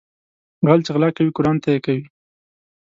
غل چې غلا کوي قرآن ته يې کوي